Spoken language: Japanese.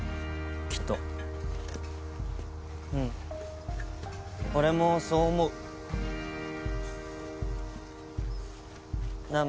きっとうん俺もそう思うなあ